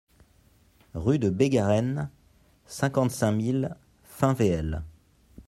Rue de Bégarenne, cinquante-cinq mille Fains-Véel